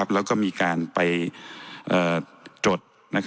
แล้วก็มีการไปจด